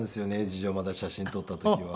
次女まだ写真撮った時は。